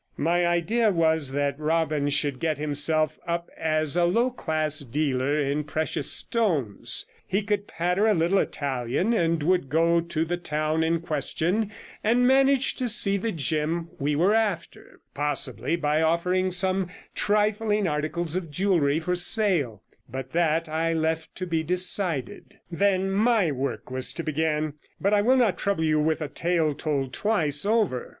My idea was that Robbins should get himself up as a low class dealer in precious stones; he could patter a little Italian, and would go to the town in question and manage to see the gem we were after, 88 possibly by offering some trifling articles of jewellery for sale, but that I left to be decided. Then my work was to begin, but I will not trouble you with a tale told twice over.